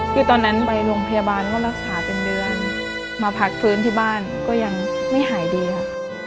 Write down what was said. คือตอนนั้นไปโรงพยาบาลก็รักษาเป็นเดือนมาพักฟื้นที่บ้านก็ยังไม่หายดีค่ะ